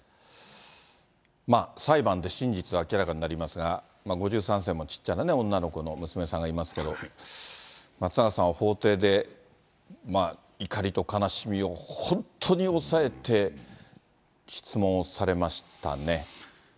裁判で真実は明らかになりますが、５３世もちっちゃな女の子の娘さんがいますけれども、松永さんは法廷で、怒りと悲しみを本当に抑えて、質問をされましたね。